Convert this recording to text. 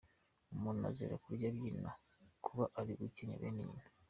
Umuntu azira kurya abyina, kuba ari ugukenya bene nyina;.